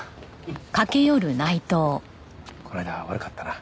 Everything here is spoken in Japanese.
この間は悪かったな。